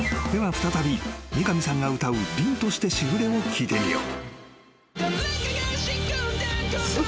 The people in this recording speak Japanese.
再び三上さんが歌う凛として時雨を聴いてみよう］